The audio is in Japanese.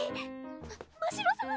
まましろさん！